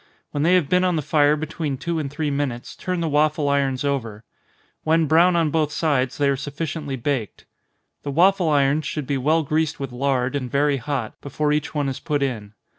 When they have been on the fire between two and three minutes, turn the waffle irons over when brown on both sides, they are sufficiently baked. The waffle irons should be well greased with lard, and very hot, before each one is put in.